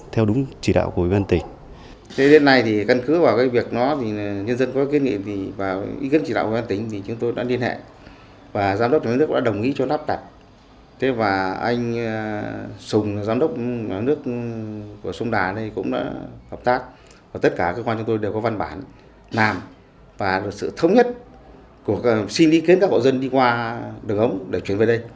theo đúng chỉ đạo của biên an tỉnh